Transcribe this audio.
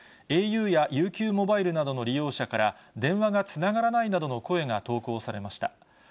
ａｕやＵＱモバイルなどの利用者から、電話がつながらないなどの声が投稿されました。